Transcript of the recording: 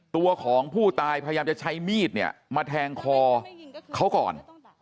ตัวของผู้ตายพยายามจะใช้มีดเนี่ยมาแทงคอเขาก่อน